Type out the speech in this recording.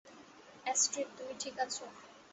Astrid, তুমি ঠিক আছো?